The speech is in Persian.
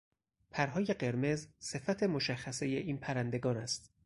پرهای قرمز صفت مشخصهی این پرندگان است.